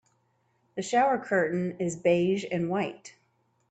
The shower curtain is beige and white.